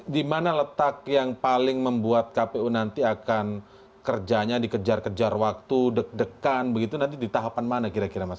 di mana letak yang paling membuat kpu nanti akan kerjanya dikejar kejar waktu deg degan begitu nanti di tahapan mana kira kira mas